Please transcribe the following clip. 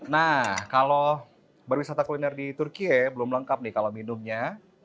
nah kalau berwisata kuliner di turki belum lengkap nih kalau minumnya